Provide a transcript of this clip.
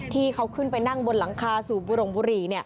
ที่เขาขึ้นไปนั่งบนหลังคาสูบบุรงบุหรี่